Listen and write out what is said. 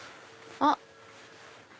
あっ！